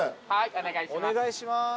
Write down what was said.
お願いします。